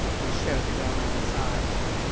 was shouted on all sides .